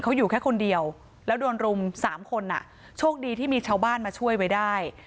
เขาอยู่แค่คนเดียวแล้วโดนรุมสามคนอ่ะโชคดีที่มีชาวบ้านมาช่วยไว้ได้